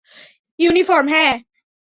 Uniform, হ্যাঁ?